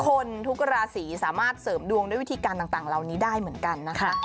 ทุกราศีสามารถเสริมดวงด้วยวิธีการต่างเหล่านี้ได้เหมือนกันนะคะ